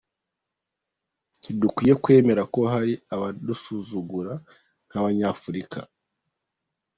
Ntidukwiye kwemera ko hari abadusuzugura nk’abanyafurika.